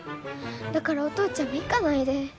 だからお父ちゃんも行かないで。